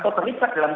atau jadi melaku